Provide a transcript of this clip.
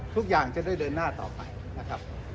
ทุกอย่างจะได้เดินหน้าต่อไปนะครับ